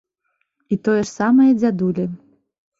І тое ж самае дзядулі.